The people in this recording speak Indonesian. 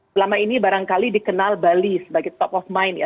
selama ini barangkali dikenal bali sebagai top of mind ya